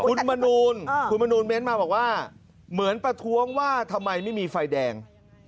คุณมนูลคุณมนูลเม้นมาบอกว่าเหมือนประท้วงว่าทำไมไม่มีไฟแดง